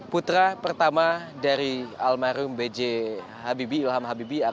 putra pertama dari almarhum b j habibie ilham habibie